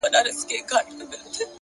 هوښیار انسان له هر حالت درس اخلي.!